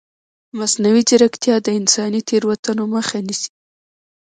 مصنوعي ځیرکتیا د انساني تېروتنو مخه نیسي.